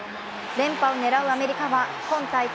連覇を狙うアメリカは今大会